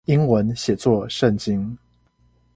英文寫作聖經